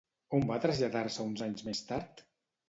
On va traslladar-se uns anys més tard?